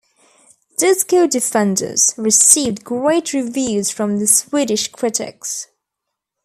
"Disco Defenders" received great reviews from the Swedish critics.